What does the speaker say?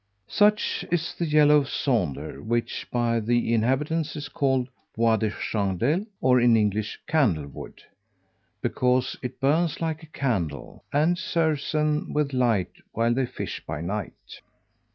Such is the yellow saunder, which by the inhabitants is called bois de chandel, or, in English, candle wood, because it burns like a candle, and serves them with light while they fish by night.